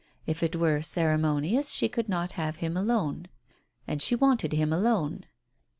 If it were ceremonious she could not have him alone, and she wanted him alone.